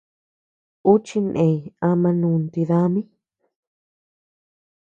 Ú chineñ ama nunti dami.